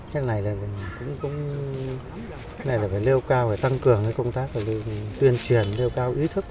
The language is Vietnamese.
thế này là phải lêu cao tăng cường công tác tuyên truyền lêu cao ý thức